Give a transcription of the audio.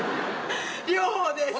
両方です。